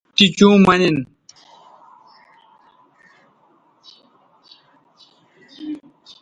تی چوں مہ نن